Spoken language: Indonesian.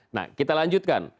nah kita lanjutkan